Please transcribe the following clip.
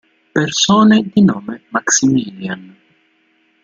Persone di nome Maximilian